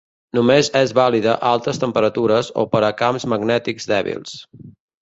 Només és vàlida a altes temperatures o per a camps magnètics dèbils.